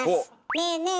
ねえねえ